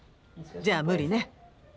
じゃあ無理ね。